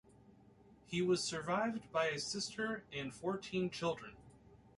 He was survived by a sister and fourteen children.